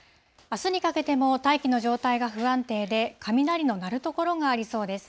あすにかけても大気の状態が不安定で、雷の鳴る所がありそうです。